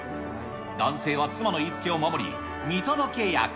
男性は妻の言いつけを守り、見届け役。